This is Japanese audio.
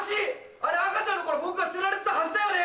あれ赤ちゃんの頃僕が捨てられてた橋だよね！